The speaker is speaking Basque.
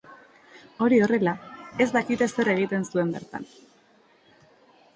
Hori horrela, ez dakite zer egiten zuen bertan.